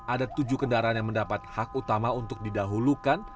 ada tujuh kendaraan yang mendapat hak utama untuk didahulukan